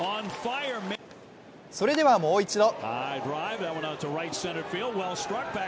それではもう一度。